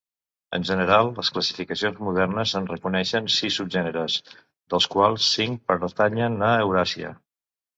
En general les classificacions modernes en reconeixen sis subgèneres, dels quals cinc pertanyen a Euràsia.